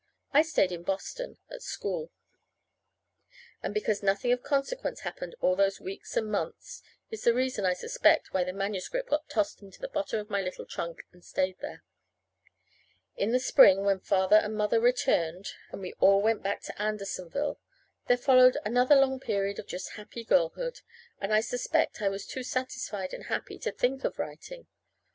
I stayed in Boston at school; and because nothing of consequence happened all those weeks and months is the reason, I suspect, why the manuscript got tossed into the bottom of my little trunk and stayed there. In the spring, when Father and Mother returned, and we all went back to Andersonville, there followed another long period of just happy girlhood, and I suspect I was too satisfied and happy to think of writing.